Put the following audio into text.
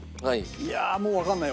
いやあもうわかんない。